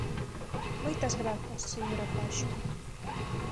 Moitas grazas, señora Paxón.